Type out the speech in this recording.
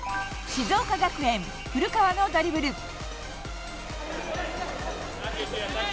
静岡学園、古川のドリブル。